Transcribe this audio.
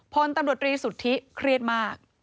พลตำรวจรีสุทธิเครียดมาก